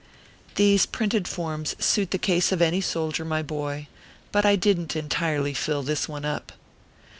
These printed forms suit the case of any soldier, rny boy ; but I didn t entirely fill this one up.